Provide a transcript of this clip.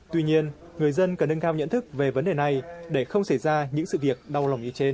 tuy nhiên người dân cần nâng cao nhận thức về vấn đề này để không xảy ra những sự việc đau lòng như trên